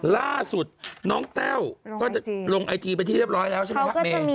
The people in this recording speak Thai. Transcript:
ล่าสุดน้องแต้วลงไอจีลงไอจีไปที่เรียบร้อยแล้วใช่ไหม